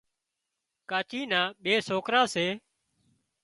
ڪاچي نا ٻي سوڪرا سي